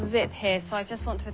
そう。